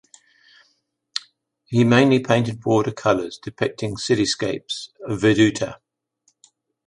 He mainly painted watercolors depicting cityscapes ("Veduta").